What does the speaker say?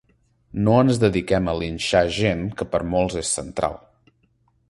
No ens dediquem a linxar gent que per a molts és central.